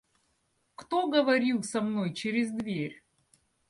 Кто говорил со мной через дверь?